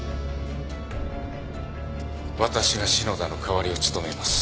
私が篠田の代わりを務めます。